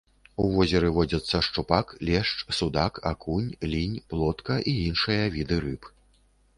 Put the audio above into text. У возеры водзяцца шчупак, лешч, судак, акунь, лінь, плотка і іншыя віды рыб.